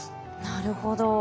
なるほど。